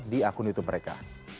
di akun youtube mereka